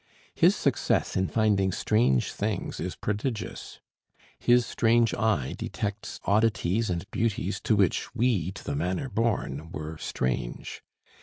His success in finding strange things is prodigious: his strange eye detects oddities and beauties to which we to the manner born were strange.